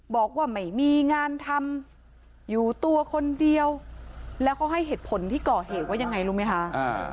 บอกว่าไม่มีงานทำอยู่ตัวคนเดียวแล้วเขาให้เหตุผลที่ก่อเหตุว่ายังไงรู้ไหมคะ